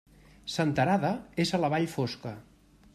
Senterada és a la Vall Fosca.